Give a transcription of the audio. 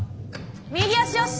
右脚よし。